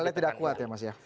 terlihat tidak kuat ya mas ya